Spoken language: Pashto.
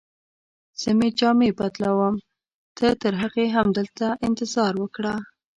زه مې جامې بدلوم، ته ترهغې همدلته انتظار وکړه.